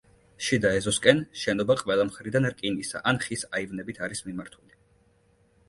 შიდა ეზოსკენ შენობა ყველა მხრიდან რკინისა ან ხის აივნებით არის მიმართული.